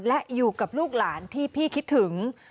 และอยู่กับลูกหลานที่พี่คิดถึง